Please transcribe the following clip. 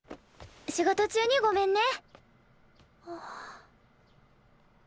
仕事中にごめんね。